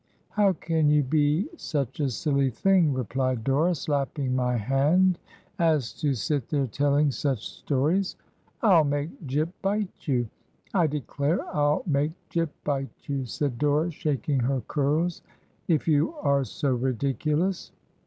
'How can you be such a silly thing,' rephed Dora, slapping my hand, 'as to sit there, telling such stories? I'll make Jip bite you! I declare I'll make Jip bite you I' said Dora, shaking her curls, 'if you are so ridiculous.'